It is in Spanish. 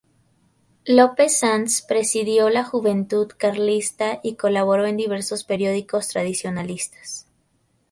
López Sanz presidió la Juventud Carlista y colaboró en diversos periódicos tradicionalistas.